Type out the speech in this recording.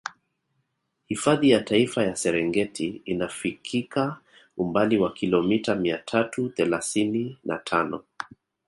Hifadhi ya Taifa ya Serengeti inafikika umbali wa kilomita mia tatu thelasini na tano